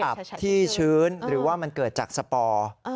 ที่ชื้นหรือว่ามันเกิดจากสปอร์